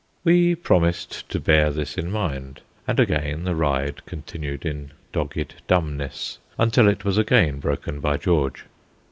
We promised to bear this in mind, and again the ride continued in dogged dumbness, until it was again broken by George.